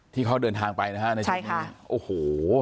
ที่เขาเดินทางไปนะครับใช่ค่ะโอ้โห